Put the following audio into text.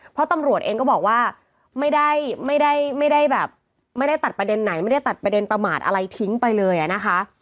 เพราะตำรวจเองก็บอกว่าไม่ได้ไม่ได้แบบไม่ได้ตัดประเด็นไหนไม่ได้ตัดประเด็นประมาทอะไรทิ้งไปเลยอะนะคะ